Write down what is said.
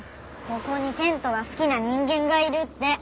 ここにテントが好きな人間がいるって。